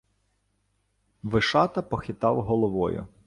Вишата похитав головою.